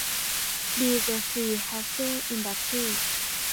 บีเจซี เฮฟวี่ อินดัสทรี